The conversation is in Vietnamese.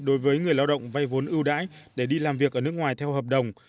đối với người lao động vay vốn ưu đãi để đi làm việc ở nước ngoài theo hợp đồng